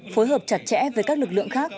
phối hợp chặt chẽ với các lực lượng khác